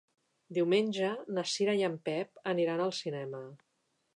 Diumenge na Cira i en Pep aniran al cinema.